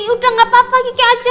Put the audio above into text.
udah gak apa apa gitu aja